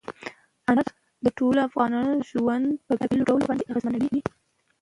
انار د ټولو افغانانو ژوند په بېلابېلو ډولونو باندې اغېزمنوي.